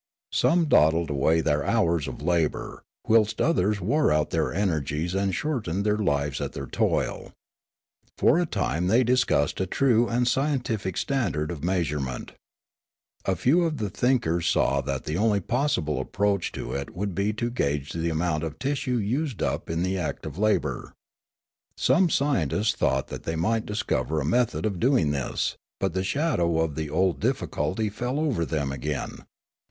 Some dawdled away their hours of labour, whilst others wore out their energies and shortened their lives at their toil. For a time they discussed a true and scientific standard of measurement, A few of the thinkers saw that the only possible approach to it would be to gauge the amount of tissue used up in the act of labour. Some scientists thought that they might discover a method of doing this ; but the shadow of the old difficulty fell over them again.